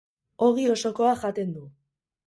Ogi osokoa jaten du.